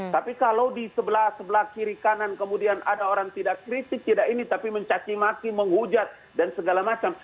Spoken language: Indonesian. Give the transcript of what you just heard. tapi kalau di sebelah sebelah kiri kanan kemudian ada orang tidak kritik tidak ini tapi mencacimaki menghujat dan segala macam